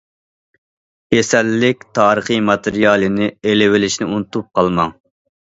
كېسەللىك تارىخى ماتېرىيالىنى ئېلىۋېلىشنى ئۇنتۇپ قالماڭ.